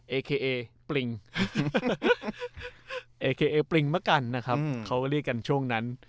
เอเคเอปริงเอเคเอปริงมะกันนะครับเขาก็เรียกกันช่วงนั้น